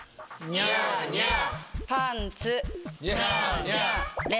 ニャーニャー。